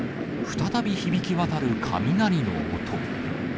再び響き渡る雷の音。